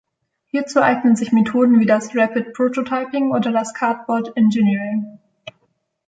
Hierzu eignen sich Methoden wie das Rapid Prototyping oder das Cardboard Engineering.